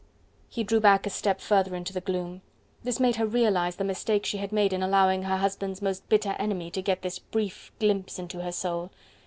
He drew back a step further into the gloom: this made her realize the mistake she had made in allowing her husband's most bitter enemy to get this brief glimpse into her soul.